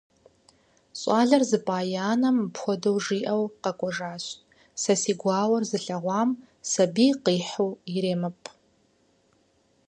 ЩӀалэр зыпӀа и адэм мыпхуэдэу жиӀауэ къаӀуэтэж: «Сэ си гуауэр зылъэгъуам сабий къихьу иремыпӀ».